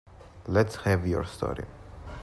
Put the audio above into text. Let's have your story.